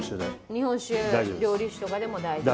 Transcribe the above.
日本酒、料理酒とかでも大丈夫。